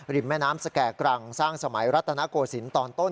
แม่น้ำสแก่กรังสร้างสมัยรัตนโกศิลป์ตอนต้น